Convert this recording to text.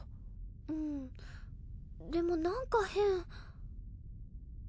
うんでもなんか変。